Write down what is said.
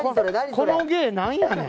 この芸何やねん。